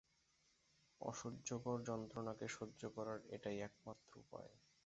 অসহ্যকর যন্ত্রণাকে সহ্য করার এটাই একমাত্র উপায়।